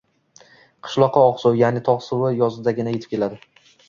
Qishloqqa oqsuv, yaʼni togʻ suvi yozdagina yetib keladi.